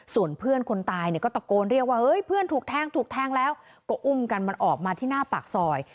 ส่วนเพื่อนคนตายเนี่ยก็ตะโกนเรียกว่าเฮ้ยเพื่อนถูกแทงถูกแทงแล้วก็อุ้มกันมันออกมาที่หน้าปากซอย